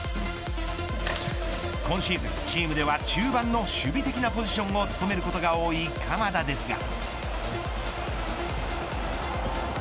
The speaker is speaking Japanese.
今シーズンチームでは中盤の守備的なポジションを務めることが多い鎌田ですが。